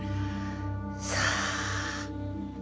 さあ。